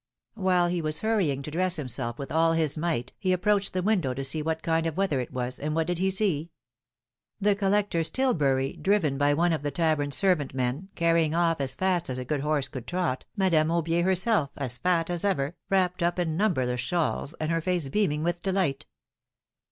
While he was hurrying to dress himself with all his might, he approached the window to see what kind of weather it was, and what did he see? The collector's 804 philom£:ne's mareiages. tilbury, driven by one of the tavern servant men, carrying off as fast as a good horse could trot, Madame Aubier her self, as fat as ever, wrapped up in numberless shawls, and her face beaming with delight.